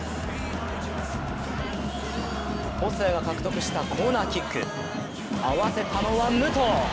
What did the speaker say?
細谷が獲得したコーナーキック、合わせたのは武藤！